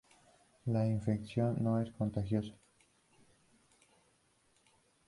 La infección no es contagiosa.